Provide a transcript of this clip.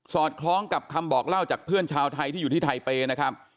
อดคล้องกับคำบอกเล่าจากเพื่อนชาวไทยที่อยู่ที่ไทเปย์นะครับ